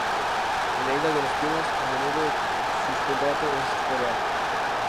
En la Isla de Los Pinos, a menudo el sustrato es el coral.